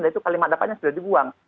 itu kalimat dapatnya sudah dibuang